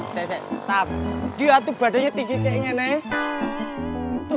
sese tam dia itu badannya tinggi kayak gini